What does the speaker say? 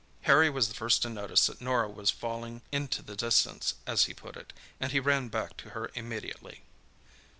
Harry was the first to notice that Norah was falling "into the distance," as he put it, and he ran back to her immediately.